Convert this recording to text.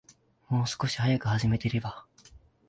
もう少し早く始めていれば